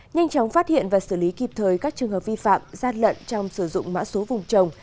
nhanh chóng phát hiện và xử lý kịp thời các trường hợp vi phạm gian lận trong sử dụng mã số vùng trồng